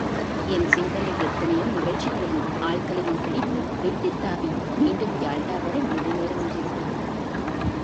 என் சிந்தனை, எத்தனையோ நிகழ்ச்சிகளையும், ஆள்களையும் பிடித்து, விட்டுத்தாவி, மீண்டும் யால்டா வர நெடுநேரமாகிவிட்டது.